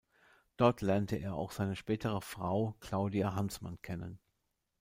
Dort lernte er auch seine spätere Frau Claudia Hansmann kennen.